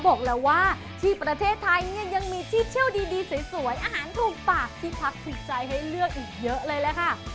บอกแล้วว่าที่ประเทศไทยเนี่ยยังมีที่เที่ยวดีสวยอาหารถูกปากที่พักถูกใจให้เลือกอีกเยอะเลยแหละค่ะ